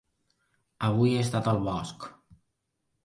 Avui he estat al bosc.